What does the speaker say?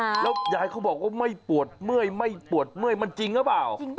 แล้วยายเขาบอกว่าไม่ปวดเมื่อยมันจริงหรือเปล่า